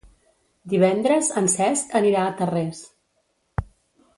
Divendres en Cesc anirà a Tarrés.